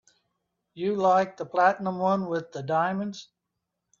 You liked the platinum one with the diamonds.